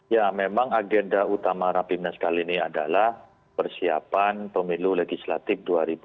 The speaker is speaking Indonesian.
ya memang agenda utama rapimnas kali ini adalah persiapan pemilu legislatif dua ribu dua puluh